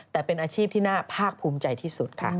แต่เป็นอาชีพที่น่าภาคภูมิใจที่สุดค่ะ